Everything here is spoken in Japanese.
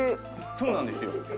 「そうなんですよ」